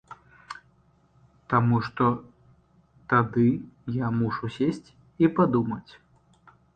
Таму што тады я мушу сесці і падумаць.